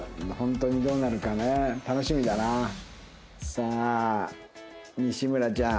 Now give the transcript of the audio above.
さあ西村ちゃん。